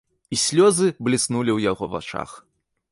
І слёзы бліснулі ў яго вачах.